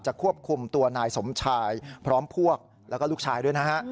ควบคุมตัวนายสมชายพร้อมพวกแล้วก็ลูกชายด้วยนะฮะ